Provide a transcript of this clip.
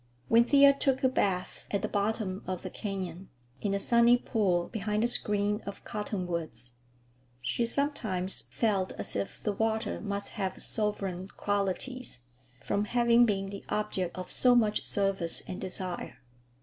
When Thea took her bath at the bottom of the canyon, in the sunny pool behind the screen of cottonwoods, she sometimes felt as if the water must have sovereign qualities, from having been the object of so much service and desire.